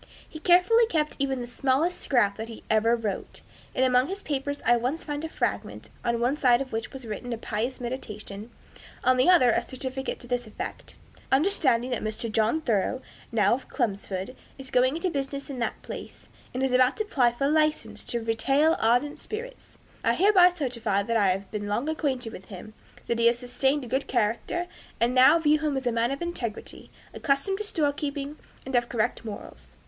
He carefully kept even the smallest scrap that he ever wrote, and among his papers I once found a fragment, on one side of which was written a pious meditation, and on the other a certificate to this effect: "Understanding that Mr. John Thoreau, now of Chelmsford, is going into business in that place, and is about to apply for license to retail ardent spirits, I hereby certify that I have been long acquainted with him, that he has sustained a good character, and now view him as a man of integrity, accustomed to store keeping, and of correct morals."